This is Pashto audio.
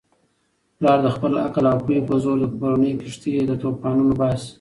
پلارد خپل عقل او پوهې په زور د کورنی کښتۍ له توپانونو باسي.